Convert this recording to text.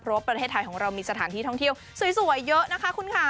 เพราะว่าประเทศไทยของเรามีสถานที่ท่องเที่ยวสวยเยอะนะคะคุณค่ะ